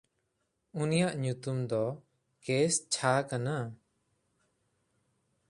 ᱩᱱᱤᱭᱟᱜ ᱧᱩᱛᱩᱢ ᱫᱚ ᱠᱮᱭᱥᱪᱷᱟ ᱠᱟᱱᱟ᱾